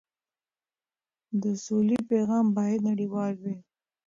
د سولې پیغام باید نړیوال وي.